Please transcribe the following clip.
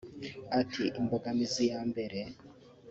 Ati “ Imbogamizi ya mbere